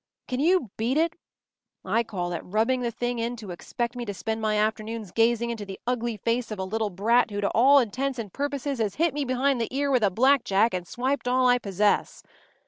Can you beat it! I call it rubbing the thing in to expect me to spend my afternoons gazing into the ugly face of a little brat who to all intents and purposes has hit me behind the ear with a blackjack and swiped all I possess.